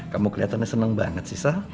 kamu kelihatannya seneng banget sih sal